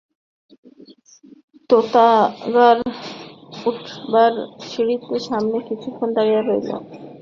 তেতালায় ওঠবার সিঁড়ির সামনে কিছুক্ষণ দাঁড়িয়ে রইল।